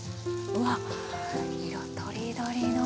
うわ色とりどりの。